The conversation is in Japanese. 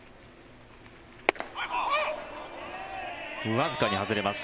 わずかに外れます。